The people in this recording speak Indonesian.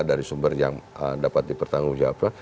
dari sumber yang dapat dipertanggung jawab